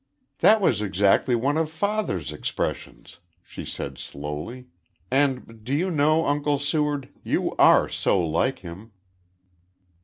"That was exactly one of father's expressions," she said slowly. "And do you know, Uncle Seward, you are so like him."